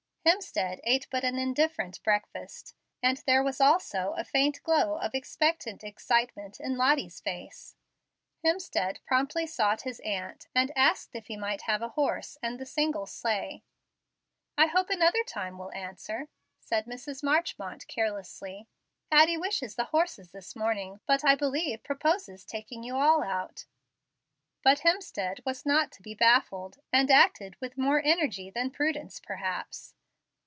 Hemstead ate but an indifferent breakfast, and there was also a faint glow of expectant excitement in Lottie's face. Hemstead promptly sought his aunt, and asked if he might have a horse and the single sleigh. "I hope another time will answer," said Mrs. Marchmont, carelessly. "Addie wishes the horses this morning, but I believe proposes taking you all out." But Hemstead was not to be baffled, and acted with more energy than prudence perhaps.